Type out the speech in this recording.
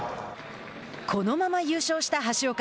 このまま優勝した橋岡。